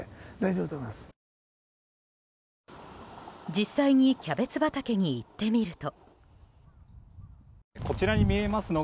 実際に、キャベツ畑に行ってみると。